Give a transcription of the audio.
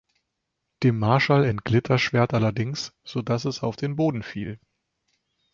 Dem Marschall entglitt das Schwert allerdings, so dass es auf den Boden fiel.